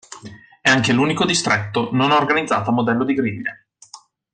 È anche l'unico distretto non organizzato a modello di griglia.